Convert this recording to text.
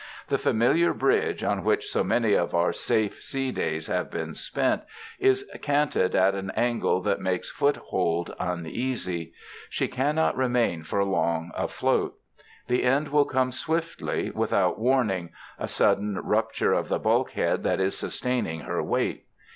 The familiar bridge, on which so many of our safe sea days have been spent, is canted at an angle that makes foothold uneasy. She cannot remain for long afloat. The end will come swiftly, without warning a sudden rupture of the bulkhead that is sustaining her weight.